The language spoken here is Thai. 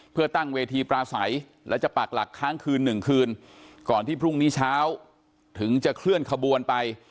เพื่อตั้งเวทีปลาใสและจะปากหลักค้างคืนหนึ่งคืนก่อนที่พรุ่งนี้เช้าถึงจะเคลื่อนขบวนไป